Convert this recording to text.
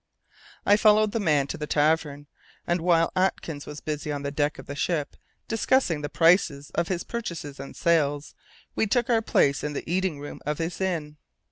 I followed the man to the tavern, and while Atkins was busy on the deck of the ship, discussing the prices of his purchases and sales, we took our places in the eating room of his inn.